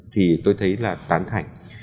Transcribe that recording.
thì tôi thấy là tán thành